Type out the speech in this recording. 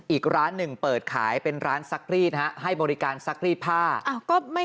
อีกร้านหนึ่งเปิดขายเป็นร้านซักรีดนะฮะให้บริการซักรีดผ้าก็ไม่